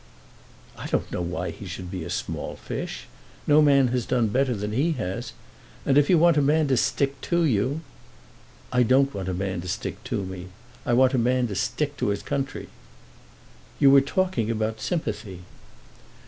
"I don't know why he should be a small fish. No man has done better than he has; and if you want a man to stick to you " "I don't want a man to stick to me. I want a man to stick to his country." "You were talking about sympathy."